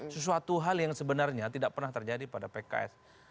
sesuatu hal yang sebenarnya tidak pernah terjadi pada pks